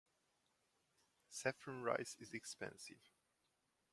Saffron rice is expensive.